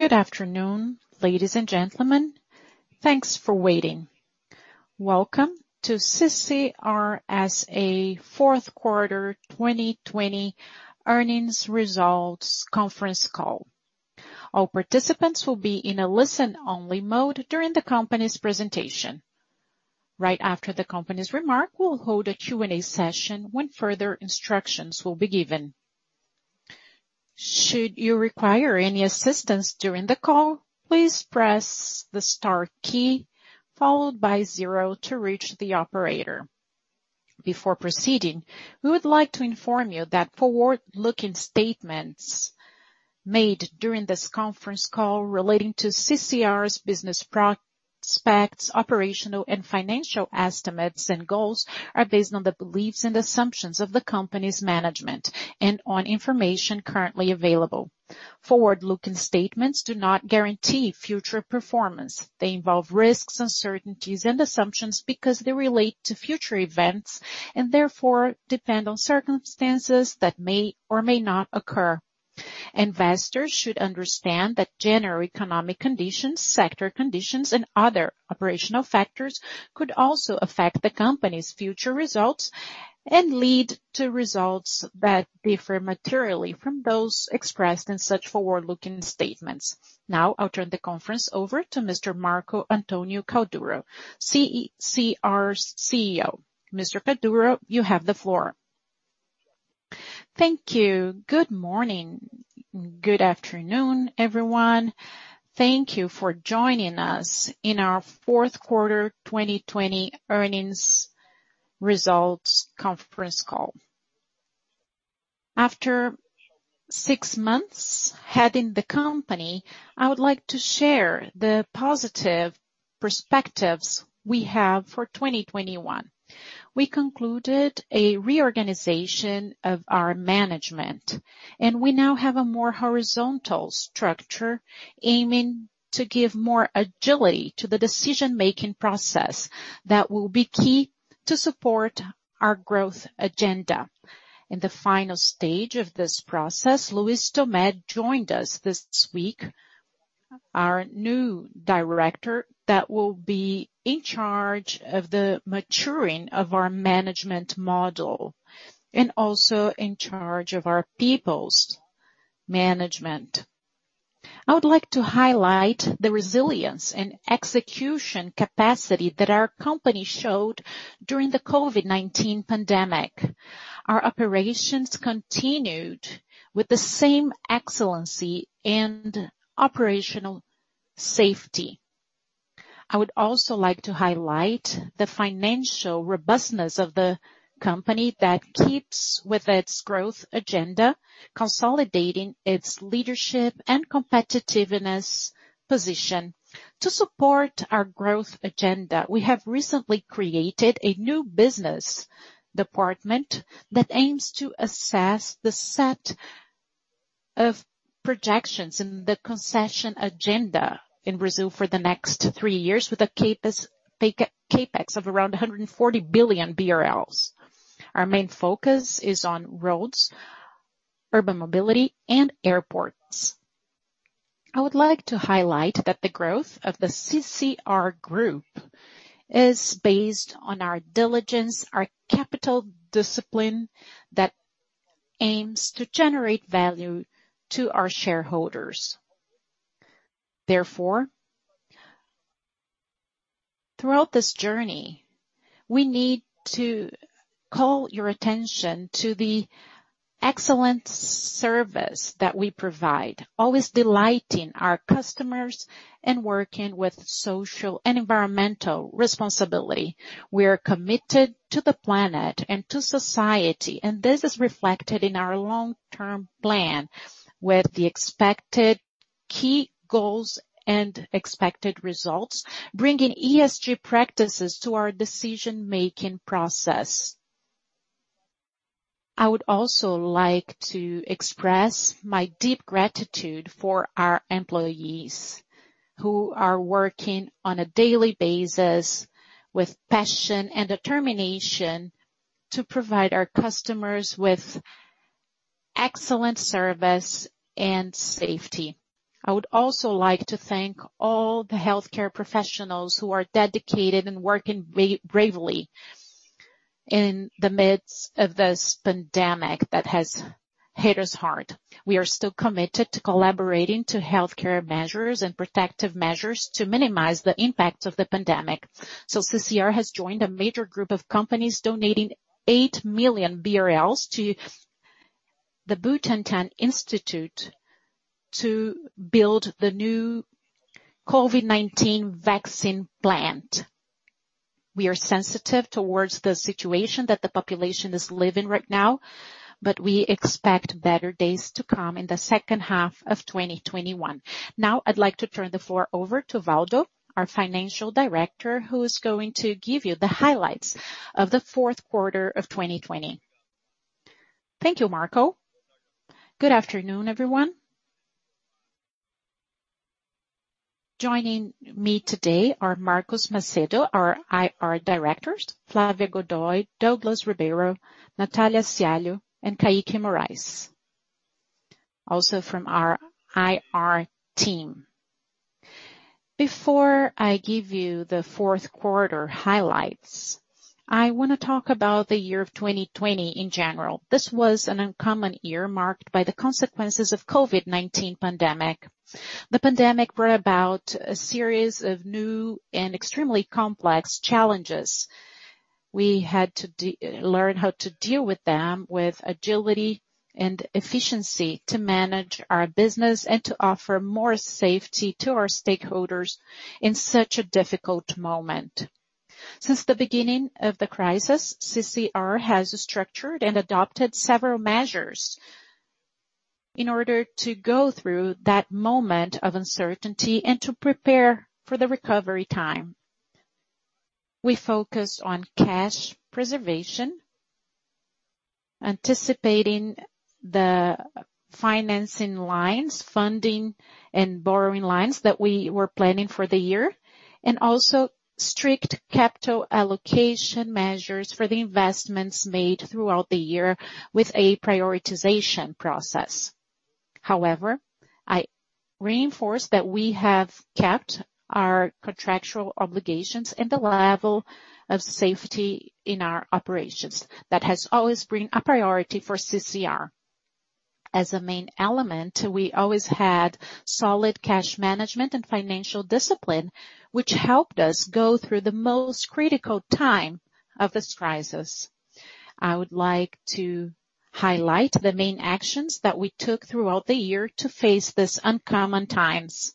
Good afternoon, ladies and gentlemen. Thanks for waiting. Welcome to CCR S.A. Q4 2020 earnings results conference call. All participants will be in a listen-only mode during the company's presentation. Right after the company's remark, we will hold a Q&A session when further instructions will be given. Should you require any assistance during the call, please press the star key followed by zero to reach the operator. Before proceeding, we would like to inform you that forward-looking statements made during this conference call relating to CCR's business prospects, operational and financial estimates and goals are based on the beliefs and assumptions of the company's management and on information currently available. Forward-looking statements do not guarantee future performance. They involve risks, uncertainties, and assumptions because they relate to future events and therefore depend on circumstances that may or may not occur. Investors should understand that general economic conditions, sector conditions, and other operational factors could also affect the company's future results and lead to results that differ materially from those expressed in such forward-looking statements. Now I'll turn the conference over to Mr. Marco Antonio Cauduro, CCR's CEO. Mr. Cauduro, you have the floor. Thank you. Good morning. Good afternoon, everyone. Thank you for joining us in our Q4 2020 earnings results conference call. After six months heading the company, I would like to share the positive perspectives we have for 2021. We concluded a reorganization of our management, and we now have a more horizontal structure aiming to give more agility to the decision-making process that will be key to support our growth agenda. In the final stage of this process, Luís Tomé joined us this week, our new director that will be in charge of the maturing of our management model and also in charge of our people's management. I would like to highlight the resilience and execution capacity that our company showed during the COVID-19 pandemic. Our operations continued with the same excellence and operational safety. I would also like to highlight the financial robustness of the company that keeps with its growth agenda, consolidating its leadership and competitiveness position. To support our growth agenda, we have recently created a new business department that aims to assess the set of projections and the concession agenda in Brazil for the next three years with a CapEx of around 140 billion BRL. Our main focus is on roads, urban mobility, and airports. I would like to highlight that the growth of the CCR Group is based on our diligence, our capital discipline that aims to generate value to our shareholders. Therefore, throughout this journey, we need to call your attention to the excellent service that we provide, always delighting our customers and working with social and environmental responsibility. We are committed to the planet and to society. This is reflected in our long-term plan with the expected key goals and expected results, bringing ESG practices to our decision-making process. I would also like to express my deep gratitude for our employees who are working on a daily basis with passion and determination to provide our customers with excellent service and safety. I would also like to thank all the healthcare professionals who are dedicated and working bravely in the midst of this pandemic that has hit us hard. We are still committed to collaborating to healthcare measures and protective measures to minimize the impact of the pandemic. CCR has joined a major group of companies donating 8 million BRL to the Instituto Butantan to build the new COVID-19 vaccine plant. We are sensitive towards the situation that the population is living right now, but we expect better days to come in the H2 of 2021. I'd like to turn the floor over to Waldo, our Financial Director, who is going to give you the highlights of the Q4 of 2020. Thank you, Marco. Good afternoon, everyone. Joining me today are Marcus Macedo, our IR Director, Flávia Godoy, Douglas Ribeiro, Natália, and Kaique Morais, also from our IR team. Before I give you the Q4 highlights, I want to talk about the year of 2020 in general. This was an uncommon year marked by the consequences of COVID-19 pandemic. The pandemic brought about a series of new and extremely complex challenges. We had to learn how to deal with them with agility and efficiency to manage our business and to offer more safety to our stakeholders in such a difficult moment. Since the beginning of the crisis, CCR has structured and adopted several measures in order to go through that moment of uncertainty and to prepare for the recovery time. We focused on cash preservation, anticipating the financing lines, funding and borrowing lines that we were planning for the year, and also strict capital allocation measures for the investments made throughout the year with a prioritization process. However, I reinforce that we have kept our contractual obligations and the level of safety in our operations. That has always been a priority for CCR. As a main element, we always had solid cash management and financial discipline, which helped us go through the most critical time of this crisis. I would like to highlight the main actions that we took throughout the year to face this uncommon times.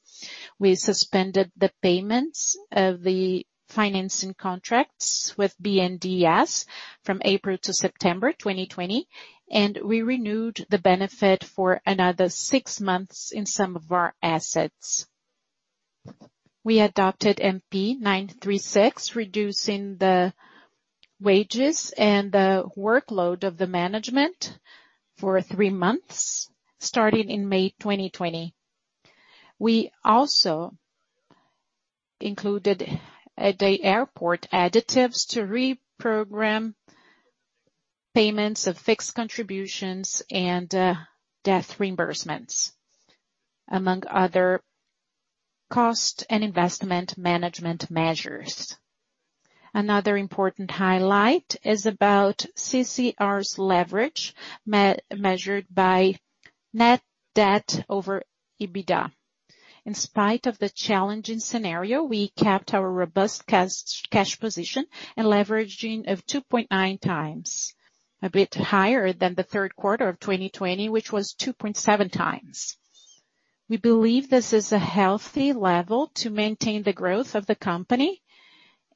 We suspended the payments of the financing contracts with BNDES from April to September 2020, and we renewed the benefit for another six months in some of our assets. We adopted MP 936, reducing the wages and the workload of the management for three months starting in May 2020. We also included at the airport additives to reprogram payments of fixed contributions and debt reimbursements, among other cost and investment management measures. Another important highlight is about CCR's leverage, measured by net debt over EBITDA. In spite of the challenging scenario, we kept our robust cash position and leveraging of 2.9 times, a bit higher than the Q3 of 2020, which was 2.7 times. We believe this is a healthy level to maintain the growth of the company,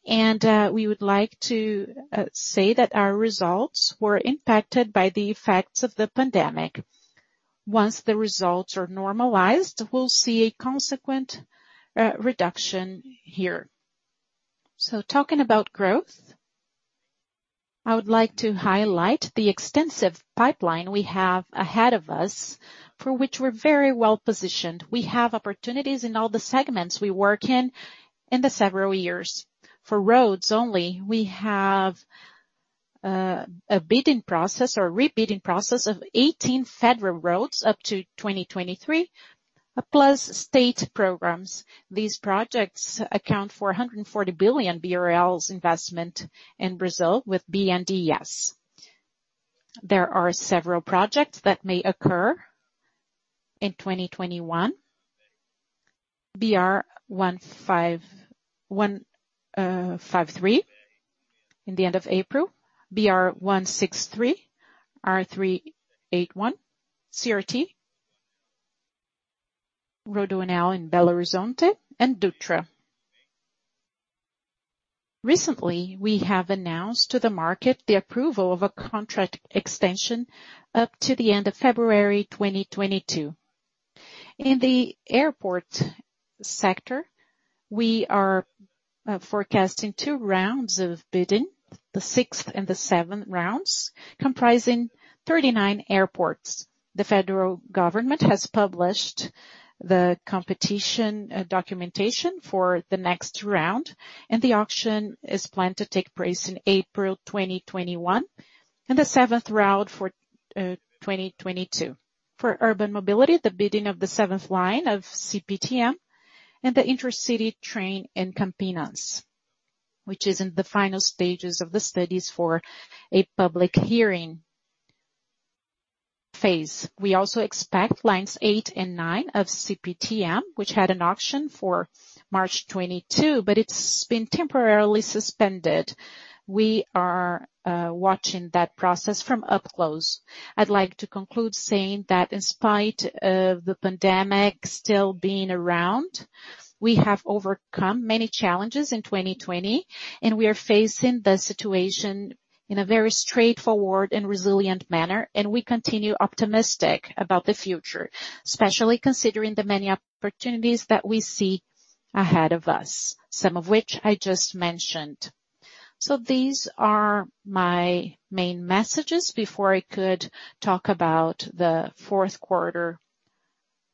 and we would like to say that our results were impacted by the effects of the pandemic. Once the results are normalized, we'll see a consequent reduction here. Talking about growth, I would like to highlight the extensive pipeline we have ahead of us, for which we're very well-positioned. We have opportunities in all the segments we work in the several years. For roads only, we have a bidding process or re-bidding process of 18 federal roads up to 2023, plus state programs. These projects account for 140 billion BRL investment in Brazil with BNDES. There are several projects that may occur in 2021. BR-153 in the end of April, BR-163, BR-381, CRT, Rodoanel in Belo Horizonte, and Dutra. Recently, we have announced to the market the approval of a contract extension up to the end of February 2022. In the airport sector, we are forecasting two rounds of bidding, the sixth and the seventh rounds, comprising 39 airports. The federal government has published the competition documentation for the next round, and the auction is planned to take place in April 2021 and the seventh round for 2022. For urban mobility, the bidding of the seventh line of CPTM and the intercity train in Campinas, which is in the final stages of the studies for a public hearing phase. We also expect lines eight and nine of CPTM, which had an auction for March 2022, but it's been temporarily suspended. We are watching that process from up close. I'd like to conclude saying that in spite of the pandemic still being around, we have overcome many challenges in 2020, and we are facing the situation in a very straightforward and resilient manner, and we continue optimistic about the future, especially considering the many opportunities that we see ahead of us, some of which I just mentioned. These are my main messages before I could talk about the Q4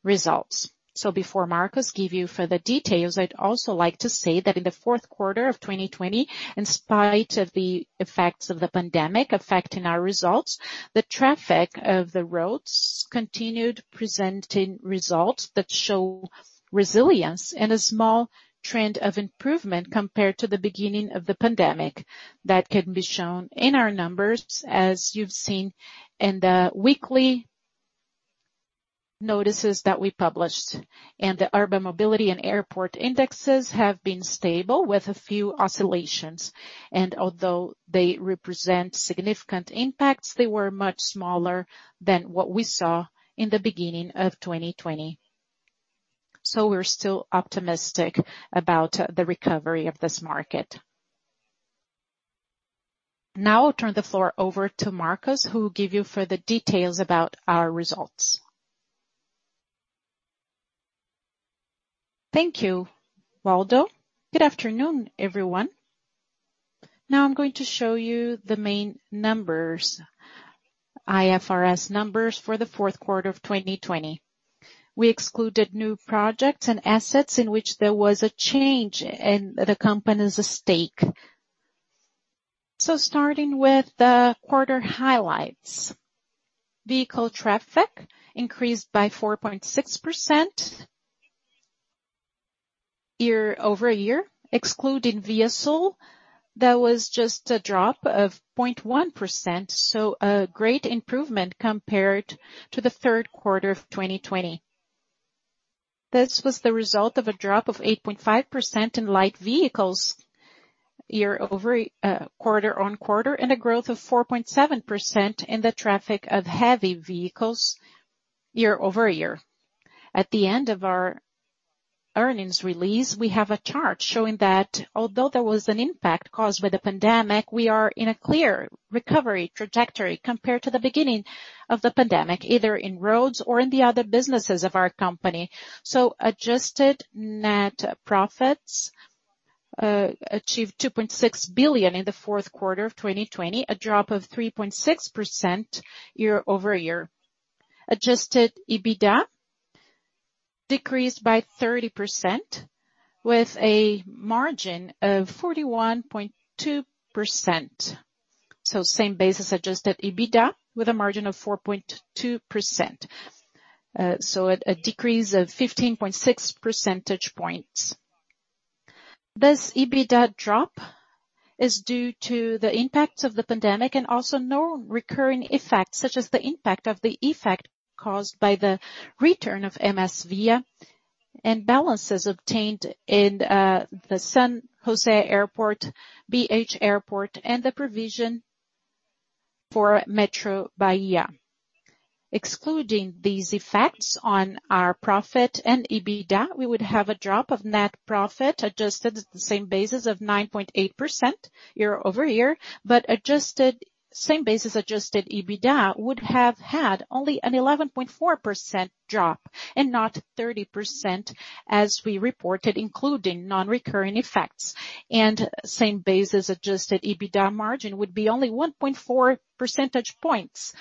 results. Before Marcus give you further details, I'd also like to say that in the Q4 of 2020, in spite of the effects of the pandemic affecting our results, the traffic of the roads continued presenting results that show resilience and a small trend of improvement compared to the beginning of the pandemic. That can be shown in our numbers, as you've seen in the weekly notices that we published. The urban mobility and airport indexes have been stable with a few oscillations, and although they represent significant impacts, they were much smaller than what we saw in the beginning of 2020. We're still optimistic about the recovery of this market. Now I'll turn the floor over to Marcus, who will give you further details about our results. Thank you, Waldo. Good afternoon, everyone. Now I'm going to show you the main IFRS numbers for the Q4 of 2020. We excluded new projects and assets in which there was a change in the company's stake. Starting with the quarter highlights. Vehicle traffic increased by 4.6% year-over-a year. Excluding ViaSul, there was just a drop of 0.1%, so a great improvement compared to the Q3 of 2020. This was the result of a drop of 8.5% in light vehicles quarter-on-quarter, and a growth of 4.7% in the traffic of heavy vehicles year-over-year. At the end of our earnings release, we have a chart showing that although there was an impact caused by the pandemic, we are in a clear recovery trajectory compared to the beginning of the pandemic, either in roads or in the other businesses of our company. Adjusted net profits achieved 2.6 billion in the Q4 of 2020, a drop of 3.6% year-over-year. Adjusted EBITDA decreased by 30%, with a margin of 41.2%. Same basis adjusted EBITDA with a margin of 4.2%, so a decrease of 15.6 percentage points. This EBITDA drop is due to the impacts of the pandemic and also non-recurring effects such as the impact of the effect caused by the return of MSVia and rebalances obtained in the San José Airport, BH Airport, and the provision for Metrô Bahia. Excluding these effects on our profit and EBITDA, we would have a drop of net profit adjusted at the same basis of 9.8% year-over-year, same basis adjusted EBITDA would have had only an 11.4% drop and not 30% as we reported, including non-recurring effects. Same basis adjusted EBITDA margin would be only 1.4 percentage points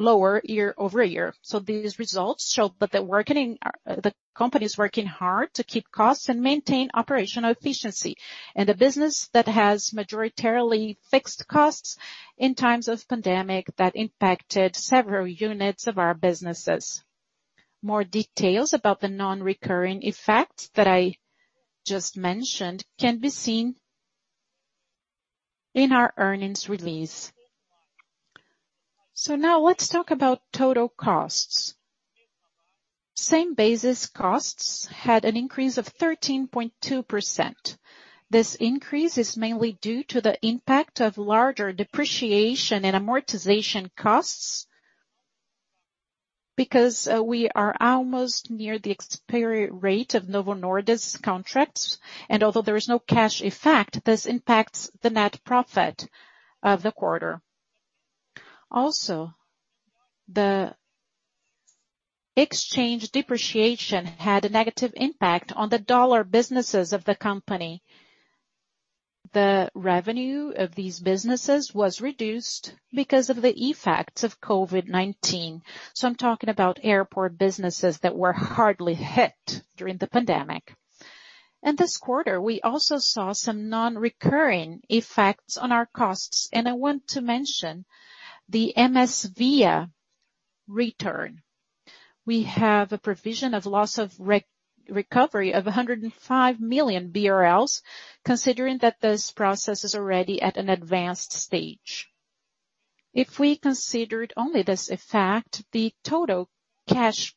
lower year-over-year. These results show that the company's working hard to keep costs and maintain operational efficiency in a business that has majoritarily fixed costs in times of pandemic that impacted several units of our businesses. More details about the non-recurring effects that I just mentioned can be seen in our earnings release. Now let's talk about total costs. Same basis costs had an increase of 13.2%. This increase is mainly due to the impact of larger depreciation and amortization costs because we are almost near the expiry rate of NovaDutra contracts, and although there is no cash effect, this impacts the net profit of the quarter. The exchange depreciation had a negative impact on the dollar businesses of the company. The revenue of these businesses was reduced because of the effects of COVID-19. I'm talking about airport businesses that were hardly hit during the pandemic. In this quarter, we also saw some non-recurring effects on our costs, and I want to mention the MSVia return. We have a provision of loss of recovery of 105 million BRL, considering that this process is already at an advanced stage. If we considered only this effect, the total cash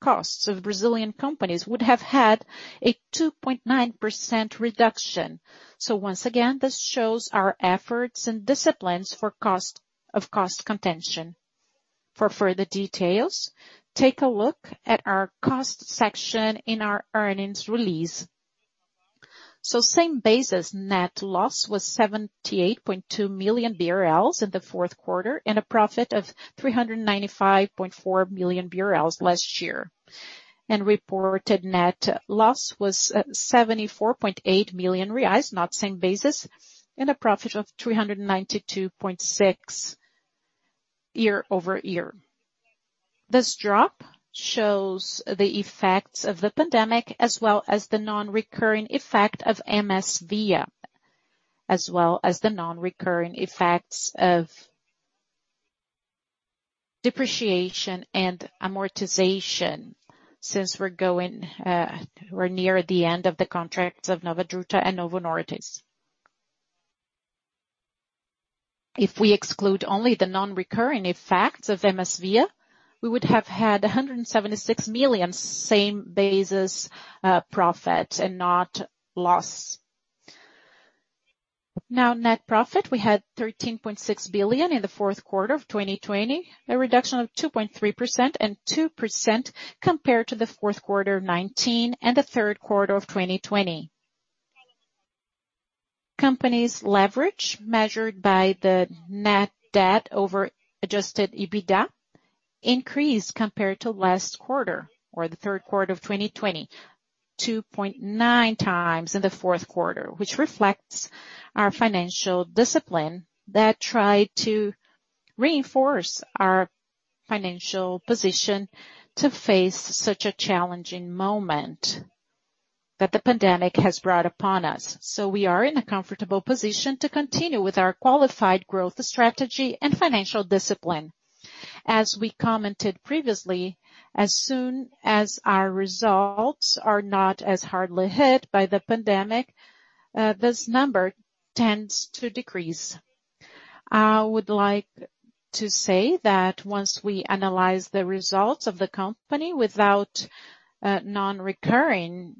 costs of Brazilian companies would have had a 2.9% reduction. Once again, this shows our efforts and disciplines of cost contention. For further details, take a look at our cost section in our earnings release. Same basis net loss was 78.2 million BRL in the Q4, and a profit of 395.4 million BRL last year. Reported net loss was 74.8 million reais, not same basis, and a profit of 392.6 year-over-year. This drop shows the effects of the pandemic as well as the non-recurring effect of MSVia, as well as the non-recurring effects of depreciation and amortization, since we're near the end of the contracts of NovaDutra and RodoNorte. If we exclude only the non-recurring effects of MSVia, we would have had 176 million same basis profit and not loss. Net profit, we had 13.6 billion in the Q4 of 2020, a reduction of 2.3% and 2% compared to the Q4 of 2019 and the Q4 of 2020. Company's leverage, measured by the net debt over adjusted EBITDA, increased compared to last quarter or the Q3 of 2020, 2.9 times in the Q4, which reflects our financial discipline that tried to reinforce our financial position to face such a challenging moment that the pandemic has brought upon us. We are in a comfortable position to continue with our qualified growth strategy and financial discipline. As we commented previously, as soon as our results are not as hardly hit by the pandemic, this number tends to decrease. I would like to say that once we analyze the results of the company without non-recurring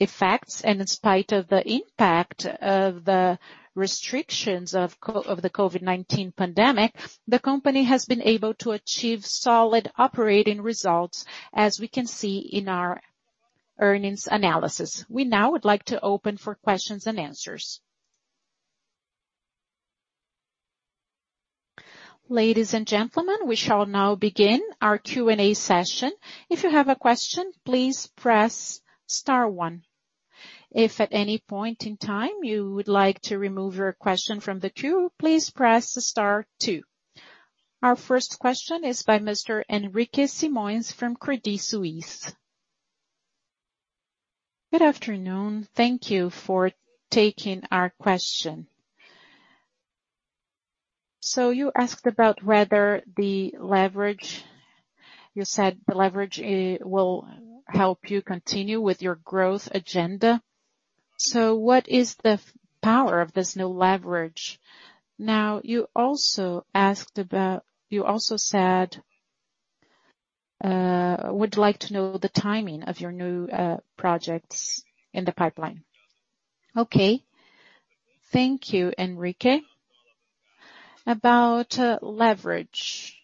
effects, and in spite of the impact of the restrictions of the COVID-19 pandemic, the company has been able to achieve solid operating results, as we can see in our earnings analysis. We now would like to open for questions-and-answers. Ladies and gentlemen, we shall now begin our Q&A session. If you have a question, please press star one. If at any point in time you would like to remove your question from the queue, please press star two. Our first question is by Mr. Henrique Simões from Credit Suisse. Good afternoon. Thank you for taking our question. You said the leverage will help you continue with your growth agenda. What is the power of this new leverage? You also said, would like to know the timing of your new projects in the pipeline. Okay. Thank you, Henrique. About leverage.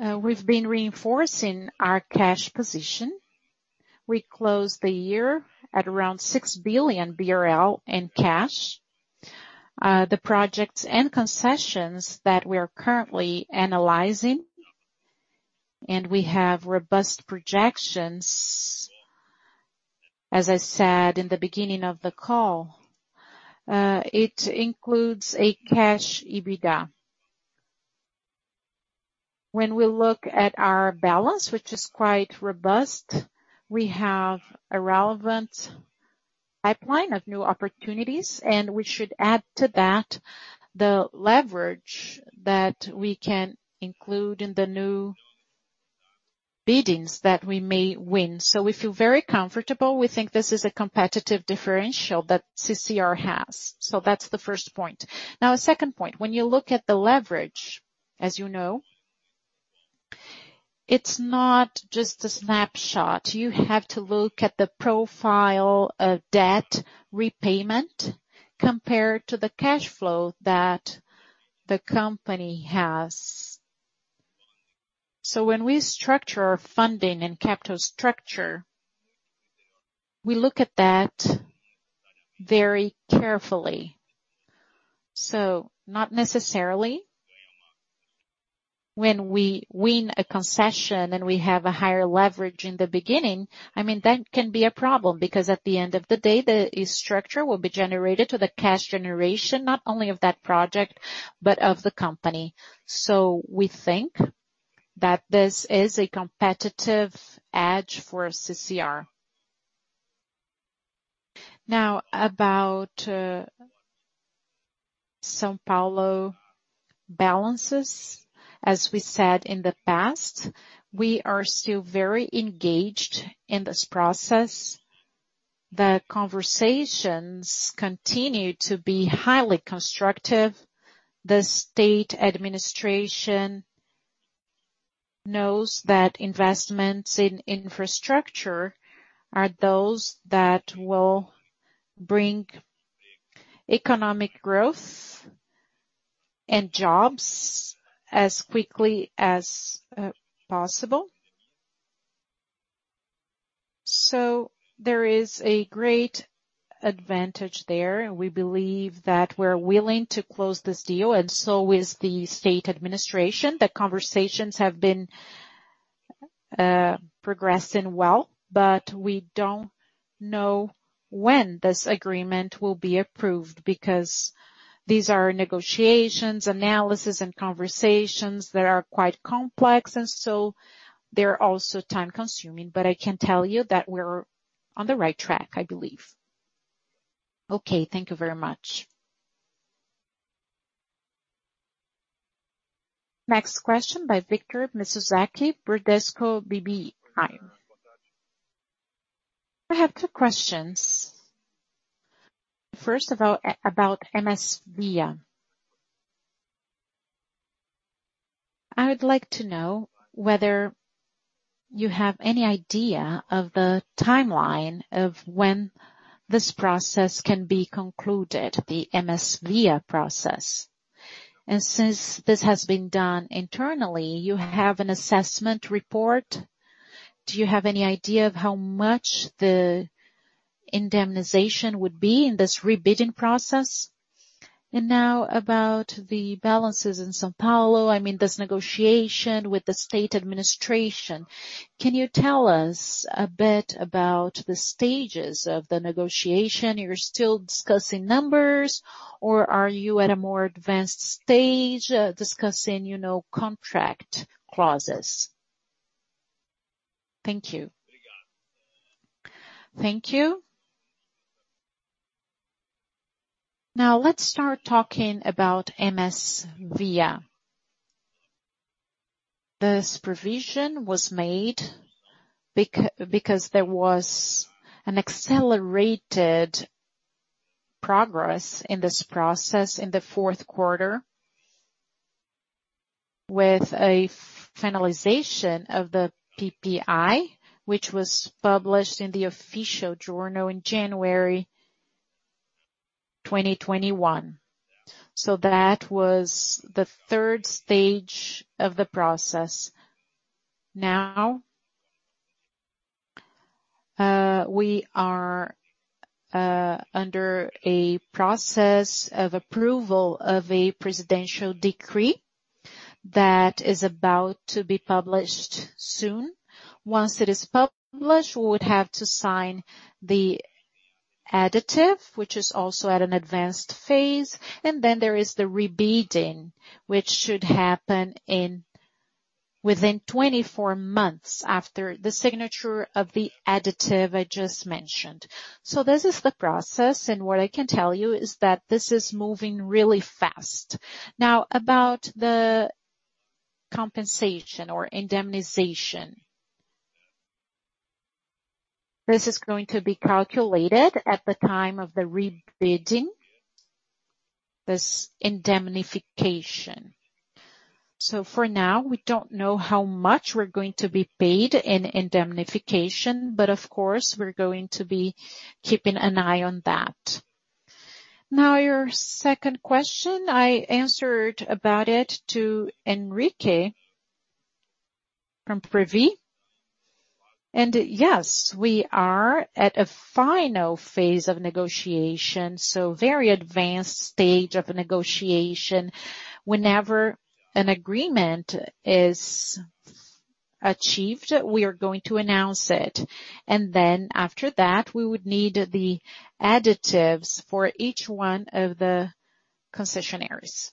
We've been reinforcing our cash position. We closed the year at around 6 billion BRL in cash. The projects and concessions that we are currently analyzing, and we have robust projections, as I said in the beginning of the call, it includes a cash EBITDA. When we look at our balance, which is quite robust, we have a relevant pipeline of new opportunities, and we should add to that the leverage that we can include in the new biddings that we may win. We feel very comfortable. We think this is a competitive differential that CCR has. That's the first point. A second point, when you look at the leverage, as you know, it's not just a snapshot. You have to look at the profile of debt repayment compared to the cash flow that the company has. When we structure our funding and capital structure, we look at that very carefully. Not necessarily when we win a concession and we have a higher leverage in the beginning, that can be a problem because at the end of the day, the structure will be generated to the cash generation, not only of that project, but of the company. We think that this is a competitive edge for CCR. Now, about São Paulo balances. As we said in the past, we are still very engaged in this process. The conversations continue to be highly constructive. The state administration knows that investments in infrastructure are those that will bring economic growth and jobs as quickly as possible. There is a great advantage there. We believe that we're willing to close this deal, and so is the state administration. The conversations have been progressing well. We don't know when this agreement will be approved because these are negotiations, analysis, and conversations that are quite complex. They're also time-consuming. I can tell you that we're on the right track, I believe. Okay, thank you very much. Next question by Victor Mizusaki, Bradesco BBI. I have two questions. First of all, about MSVia. I would like to know whether you have any idea of the timeline of when this process can be concluded, the MSVia process. Since this has been done internally, you have an assessment report. Do you have any idea of how much the indemnification would be in this re-bidding process? Now about the balances in São Paulo, I mean, this negotiation with the state administration. Can you tell us a bit about the stages of the negotiation? You're still discussing numbers, or are you at a more advanced stage, discussing contract clauses? Thank you. Let's start talking about MSVia. This provision was made because there was an accelerated progress in this process in the Q4 with a finalization of the PPI, which was published in the Official Journal in January 2021. That was the third stage of the process. We are under a process of approval of a presidential decree that is about to be published soon. Once it is published, we would have to sign the additive, which is also at an advanced phase. There is the re-bidding, which should happen within 24 months after the signature of the additive I just mentioned. This is the process, and what I can tell you is that this is moving really fast. About the compensation or indemnization. This is going to be calculated at the time of the re-bidding, this indemnification. For now, we don't know how much we're going to be paid in indemnification, but of course, we're going to be keeping an eye on that. Your second question, I answered about it to Henrique from Credit Suisse. Yes, we are at a final phase of negotiation, very advanced stage of negotiation. Whenever an agreement is achieved, we are going to announce it. After that, we would need the additives for each one of the concessionaires.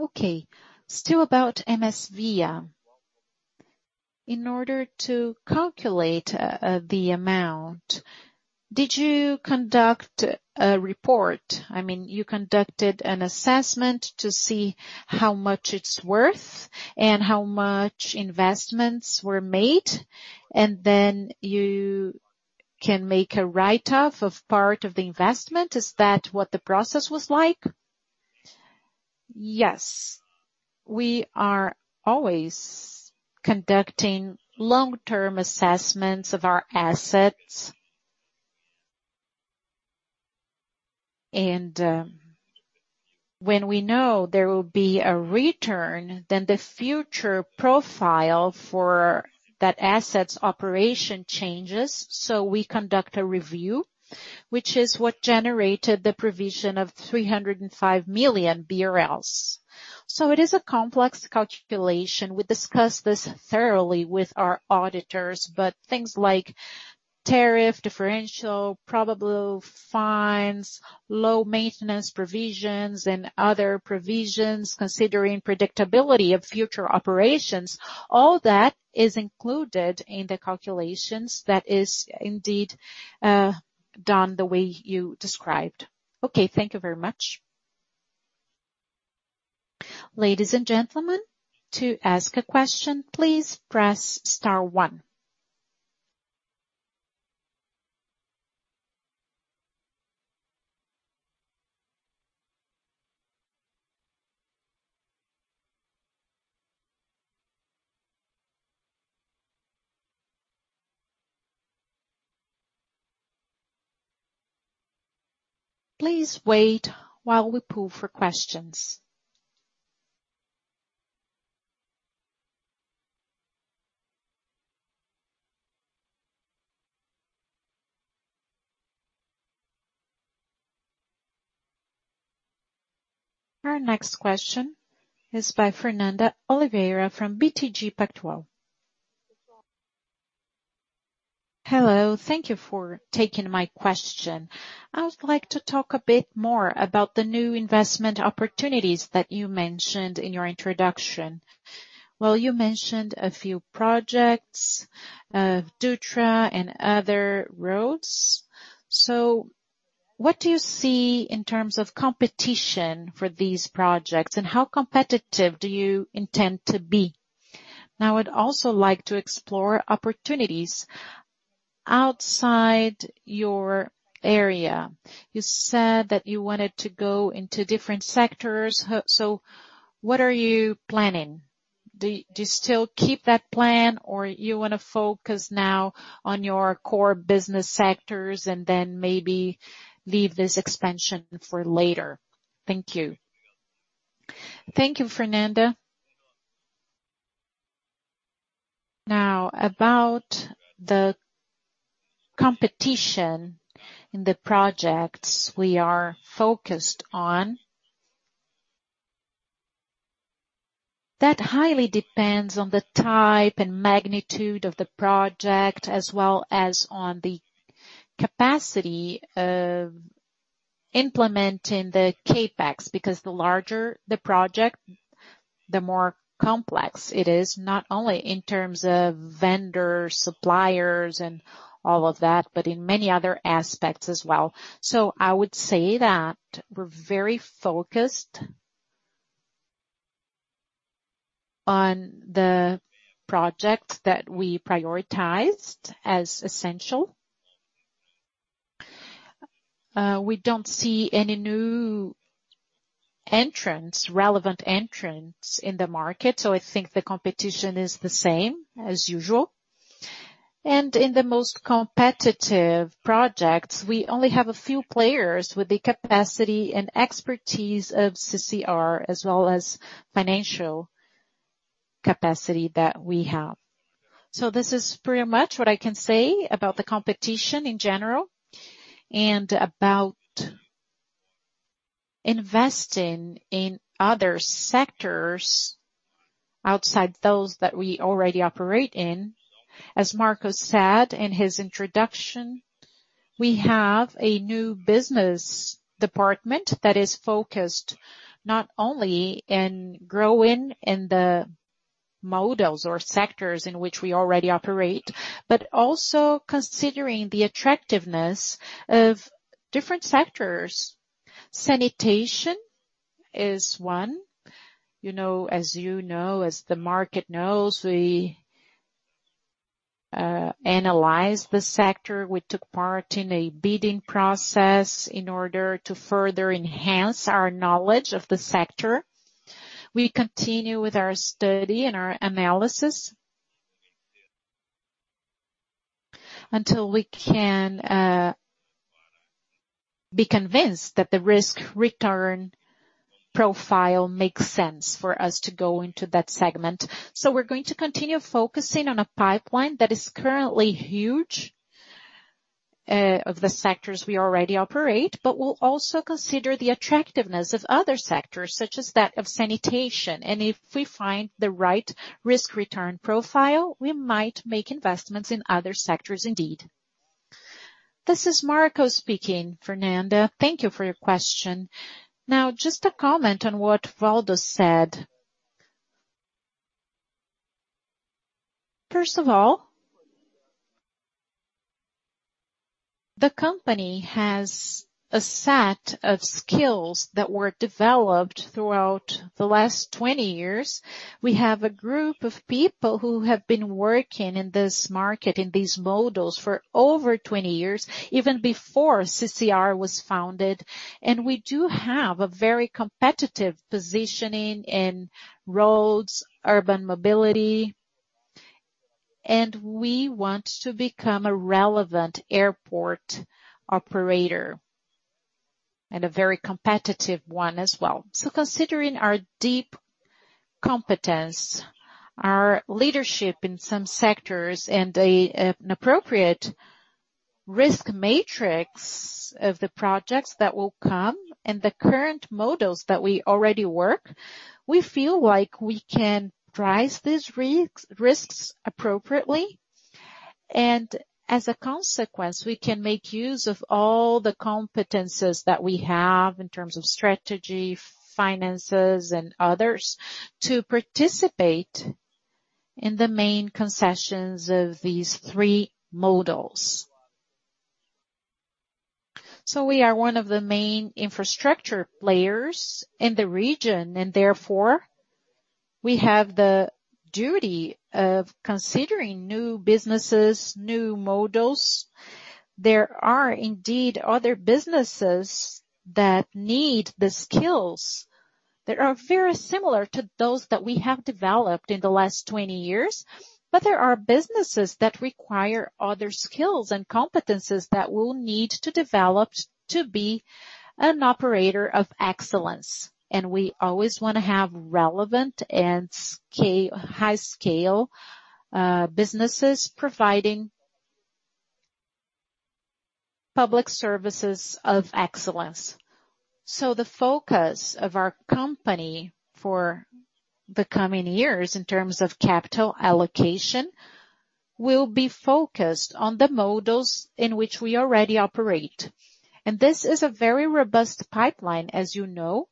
Okay. Still about MSVia. In order to calculate the amount, did you conduct a report? I mean, you conducted an assessment to see how much it's worth and how much investments were made, and then you can make a write-off of part of the investment. Is that what the process was like? Yes. We are always conducting long-term assessments of our assets. When we know there will be a return, then the future profile for that asset's operation changes, so we conduct a review, which is what generated the provision of 305 million BRL. It is a complex calculation. We discussed this thoroughly with our auditors, but things like tariff differential, probable fines, low maintenance provisions, and other provisions considering predictability of future operations, all that is included in the calculations. That is indeed done the way you described. Okay. Thank you very much. Ladies and gentlemen, to ask a question, please press star one. Please wait while we queue for questions. Our next question is by Fernanda Oliveira from BTG Pactual. Hello. Thank you for taking my question. I would like to talk a bit more about the new investment opportunities that you mentioned in your introduction. Well, you mentioned a few projects, Dutra and other roads. What do you see in terms of competition for these projects, and how competitive do you intend to be? I'd also like to explore opportunities outside your area. You said that you wanted to go into different sectors. What are you planning? Do you still keep that plan, or you want to focus now on your core business sectors and then maybe leave this expansion for later? Thank you. Thank you, Fernanda. About the competition in the projects we are focused on. That highly depends on the type and magnitude of the project, as well as on the capacity of implementing the CapEx, because the larger the project, the more complex it is, not only in terms of vendors, suppliers, and all of that, but in many other aspects as well. I would say that we're very focused on the projects that we prioritized as essential. We don't see any new relevant entrants in the market. I think the competition is the same as usual. In the most competitive projects, we only have a few players with the capacity and expertise of CCR, as well as financial capacity that we have. This is pretty much what I can say about the competition in general and about investing in other sectors outside those that we already operate in. As Marcus said in his introduction, we have a new business department that is focused not only in growing in the models or sectors in which we already operate but also considering the attractiveness of different sectors. Sanitation is one. As you know, as the market knows, we analyzed the sector. We took part in a bidding process in order to further enhance our knowledge of the sector. We continue with our study and our analysis until we can be convinced that the risk-return profile makes sense for us to go into that segment. We're going to continue focusing on a pipeline that is currently huge of the sectors we already operate, but we'll also consider the attractiveness of other sectors, such as that of sanitation. If we find the right risk-return profile, we might make investments in other sectors indeed. This is Marco speaking, Fernanda. Thank you for your question. Just a comment on what Waldo said. First of all, the company has a set of skills that were developed throughout the last 20 years. We have a group of people who have been working in this market, in these models for over 20 years, even before CCR was founded. We do have a very competitive positioning in roads, urban mobility, and we want to become a relevant airport operator and a very competitive one as well. Considering our deep competence, our leadership in some sectors and an appropriate risk matrix of the projects that will come and the current models that we already work, we feel like we can price these risks appropriately. As a consequence, we can make use of all the competencies that we have in terms of strategy, finances, and others to participate in the main concessions of these three models. We are one of the main infrastructure players in the region, and therefore, we have the duty of considering new businesses, new models. There are indeed other businesses that need the skills that are very similar to those that we have developed in the last 20 years. There are businesses that require other skills and competencies that we'll need to develop to be an operator of excellence. We always want to have relevant and high scale businesses providing public services of excellence. The focus of our company for the coming years, in terms of capital allocation, will be focused on the models in which we already operate. This is a very robust pipeline, as you know,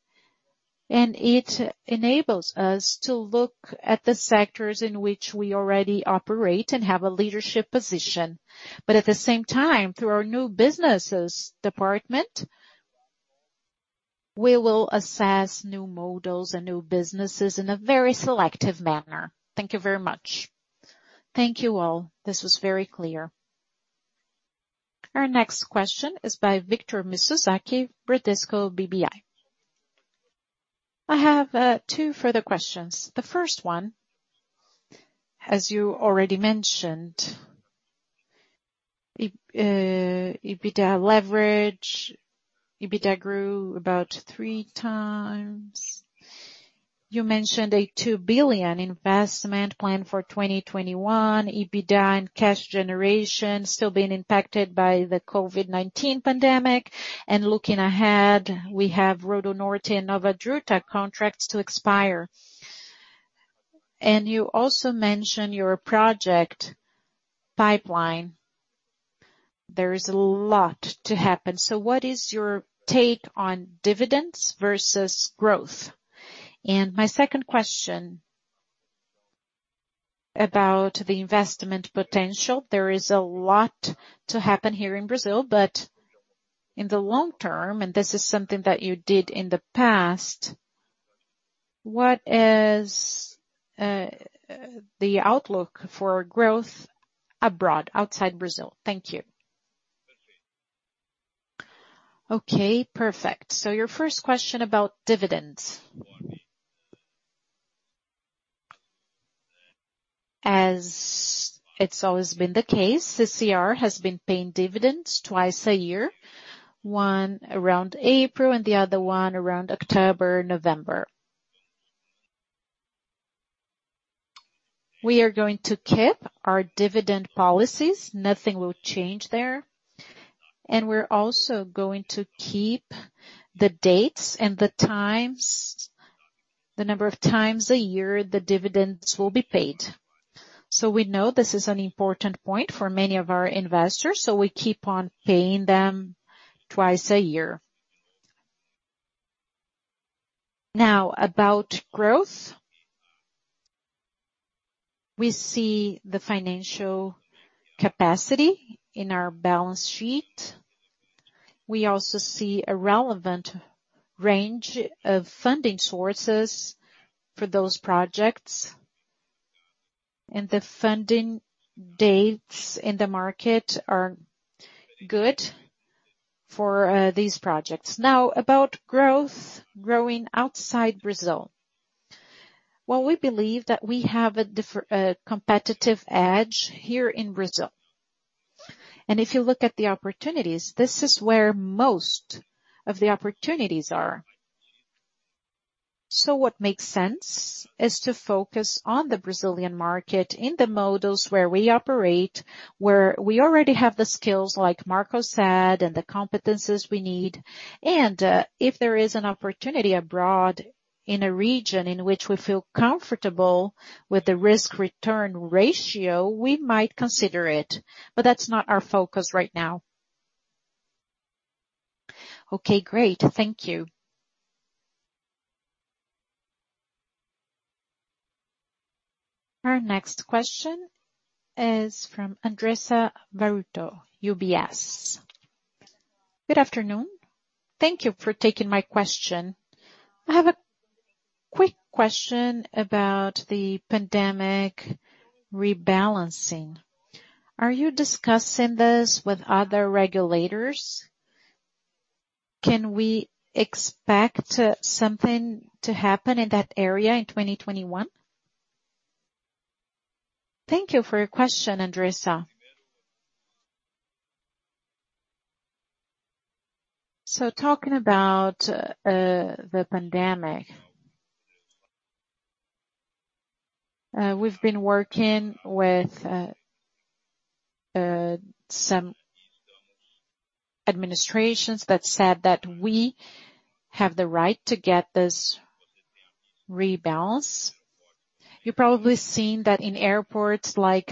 and it enables us to look at the sectors in which we already operate and have a leadership position. At the same time, through our new businesses department, we will assess new models and new businesses in a very selective manner. Thank you very much. Thank you all. This was very clear. Our next question is by Victor Mizusaki, Bradesco BBI. I have two further questions. The first one, as you already mentioned, EBITDA leverage. EBITDA grew about three times. You mentioned a $2 billion investment plan for 2021. EBITDA and cash generation still being impacted by the COVID-19 pandemic. Looking ahead, we have RodoNorte and NovaDutra contracts to expire. You also mentioned your project pipeline. There is a lot to happen. What is your take on dividends versus growth? My second question, about the investment potential. There is a lot to happen here in Brazil, but in the long term, and this is something that you did in the past, what is the outlook for growth abroad, outside Brazil? Thank you. Okay, perfect. Your first question about dividends. As it's always been the case, CCR has been paying dividends twice a year, one around April and the other one around October, November. We are going to keep our dividend policies. Nothing will change there. We're also going to keep the dates and the number of times a year the dividends will be paid. We know this is an important point for many of our investors, so we keep on paying them twice a year. About growth. We see the financial capacity in our balance sheet. We also see a relevant range of funding sources for those projects, and the funding dates in the market are good for these projects. About growth, growing outside Brazil. We believe that we have a competitive edge here in Brazil. If you look at the opportunities, this is where most of the opportunities are. What makes sense is to focus on the Brazilian market, in the models where we operate, where we already have the skills, like Marco said, and the competencies we need. If there is an opportunity abroad in a region in which we feel comfortable with the risk-return ratio, we might consider it. That's not our focus right now. Great. Thank you. Our next question is from Andressa Varotto, UBS. Good afternoon. Thank you for taking my question. I have a quick question about the pandemic rebalancing. Are you discussing this with other regulators? Can we expect something to happen in that area in 2021? Thank you for your question, Andressa. Talking about the pandemic, we've been working with some administrations that said that we have the right to get this rebalance. You've probably seen that in airports like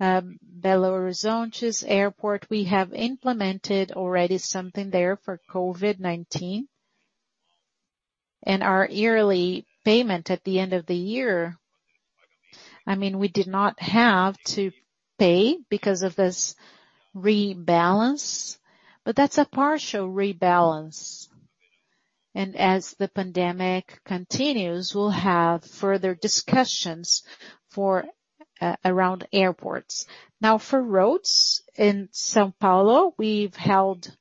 Belo Horizonte's airport, we have implemented already something there for COVID-19, and our yearly payment at the end of the year, we did not have to pay because of this rebalance, but that's a partial rebalance. As the pandemic continues, we'll have further discussions for around airports. Now for roads in São Paulo, we've held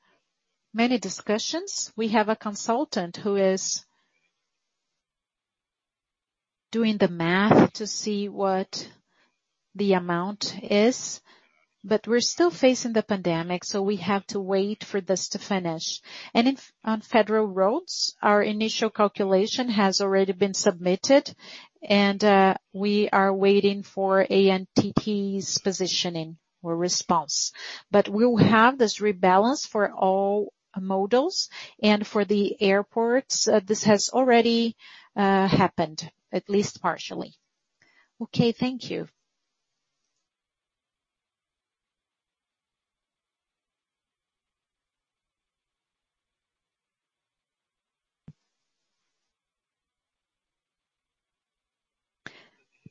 many discussions. We have a consultant who is doing the math to see what the amount is, but we're still facing the pandemic, so we have to wait for this to finish. On federal roads, our initial calculation has already been submitted, and we are waiting for ANTT's positioning or response. We will have this rebalance for all models and for the airports, this has already happened, at least partially. Okay. Thank you.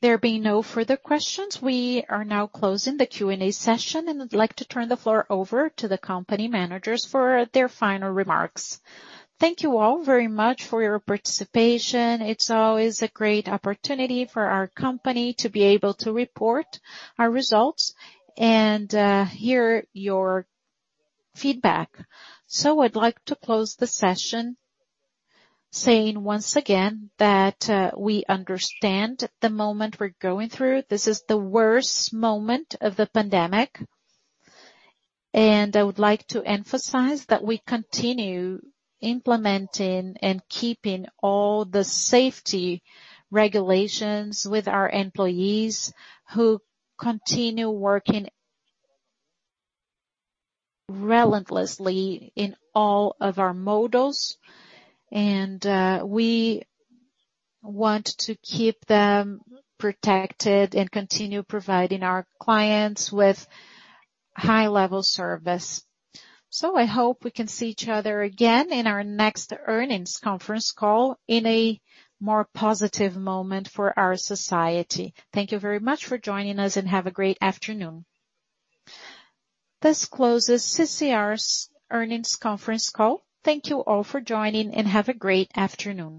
There being no further questions, we are now closing the Q&A session, and I'd like to turn the floor over to the company managers for their final remarks. Thank you all very much for your participation. It's always a great opportunity for our company to be able to report our results and hear your feedback. I'd like to close the session saying once again that we understand the moment we're going through. This is the worst moment of the pandemic. I would like to emphasize that we continue implementing and keeping all the safety regulations with our employees who continue working relentlessly in all of our modes. We want to keep them protected and continue providing our clients with high-level service. I hope we can see each other again in our next earnings conference call in a more positive moment for our society. Thank you very much for joining us and have a great afternoon. This closes CCR S.A. earnings conference call. Thank you all for joining, and have a great afternoon